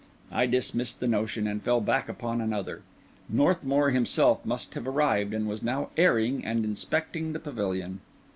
I dismissed the notion, and fell back upon another. Northmour himself must have arrived, and was now airing and inspecting the pavilion.